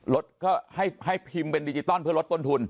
รถก็ให้ไฟพันดิจิตอลเพื่อลดต้นทุน